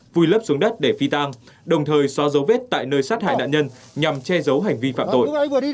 vùi lấp xuống đất để phi tang đồng thời xóa dấu vết tại nơi sát hại nạn nhân nhằm che giấu hành vi phạm tội